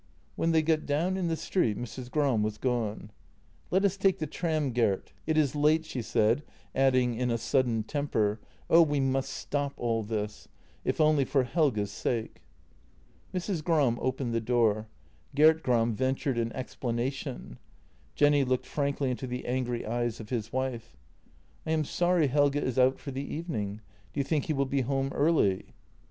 When they got down in the street Mrs. Gram was gone. "Let us take the tram, Gert; it is late," she said, adding in a sudden temper :" Oh, we must stop all this — if only for Helge's sake." Mrs. Gram opened the door. Gert Gram ventured an ex planation; Jenny looked frankly into the angry eyes of his wife: " I am sorry Helge is out for the evening. Do you think he will be home early?